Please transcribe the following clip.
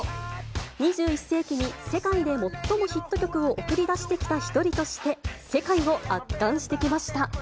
２１世紀に世界で最もヒット曲を送り出してきた一人として、世界を圧巻してきました。